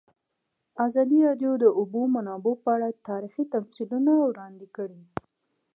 ازادي راډیو د د اوبو منابع په اړه تاریخي تمثیلونه وړاندې کړي.